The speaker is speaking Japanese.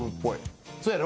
そうやろ？